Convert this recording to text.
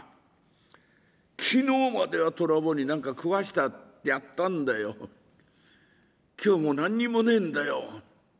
昨日までは虎坊に何か食わせてやったんだよ。今日もう何にもねえんだよ。